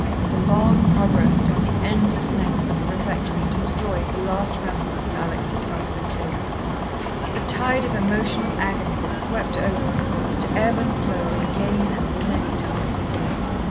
The long progress down the endless length of the refectory destroyed the last remnants of Alex' self control. The tide of emotional agony that swept over her was to ebb and flow again, and many times again.